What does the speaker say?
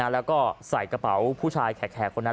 แล้วก็ใส่กระเป๋าผู้ชายแขกคนนั้น